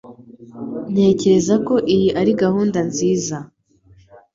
Ntekereza ko iyi ari gahunda nziza.